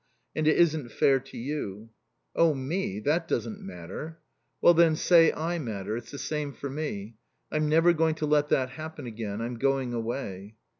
And it isn't fair to you." "Oh, me. That doesn't matter." "Well, then, say I matter. It's the same for me. I'm never going to let that happen again. I'm going away."